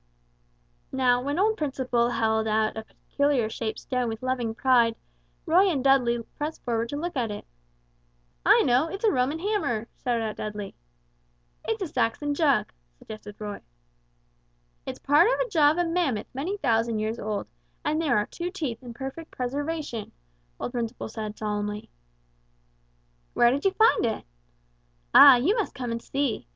Now when old Principle held out a peculiar shaped stone with loving pride, Roy and Dudley pressed forward to look at it. "I know, it's a Roman hammer," shouted out Dudley. "It's a Saxon jug," suggested Roy. "It's part of a jaw of a mammoth many thousands of years old, and there are two teeth in perfect preservation," old Principle said solemnly. "Where did you find it?" "Ah, you must come and see!